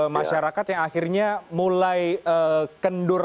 masyarakat yang akhirnya mulai kendur